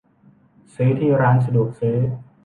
ซื้อที่ร้านสะดวกซื้อ